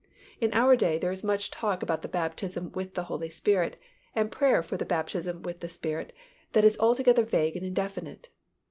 In our day there is much talk about the baptism with the Holy Spirit and prayer for the baptism with the Spirit that is altogether vague and indefinite.